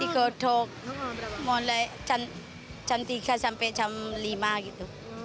digodok mulai jam tiga sampai jam lima gitu